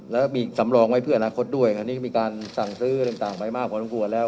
แล้วมีสำรองไว้เพื่ออนาคตด้วยอันนี้ก็มีการสั่งซื้ออะไรต่างไปมากพอสมควรแล้ว